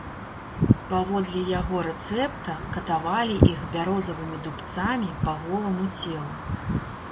Паводле яго рэцэпта катавалі іх бярозавымі дубцамі па голаму целу.